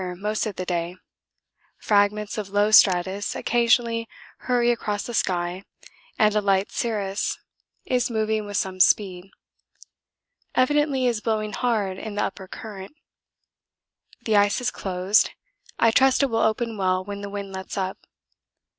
The sky has been clear most of the day, fragments of low stratus occasionally hurry across the sky and a light cirrus is moving with some speed. Evidently it is blowing hard in the upper current. The ice has closed I trust it will open well when the wind lets up.